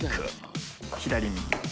左に。